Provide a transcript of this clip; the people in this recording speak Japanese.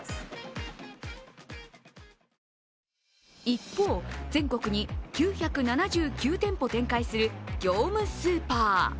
一方、全国に９７９店舗展開する業務スーパー。